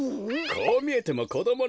こうみえてもこどものころ